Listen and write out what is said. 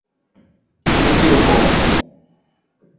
Obiro pong’